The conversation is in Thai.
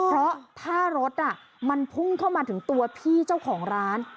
เพราะถ้ารถมันพุ่งเข้ามาถึงตัวพี่เจ้าของร้าน